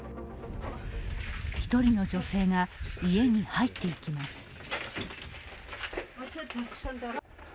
１人の女性が家に入っていきます。